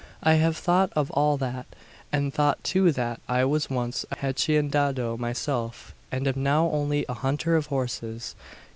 I have thought of all that; and thought too that I was once a haciendado myself and am now only a hunter of horses.